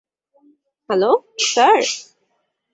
Hello, sir.